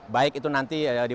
baik itu nanti dimaksudkan